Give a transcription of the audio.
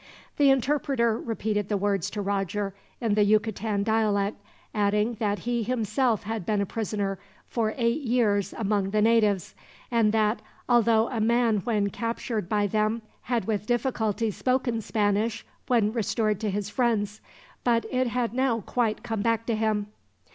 The interpreter repeated the words to Roger in the Yucatan dialect, adding that he himself had been a prisoner for eight years among the natives; and that, although a man when captured by them, had with difficulty spoken Spanish when restored to his friends; but it had now quite come back to him.